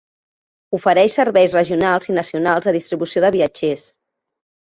Ofereix serveis regionals i nacionals de distribució de viatgers.